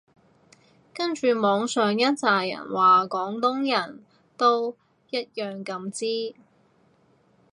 跟住網上一柞人話廣東人都一樣咁支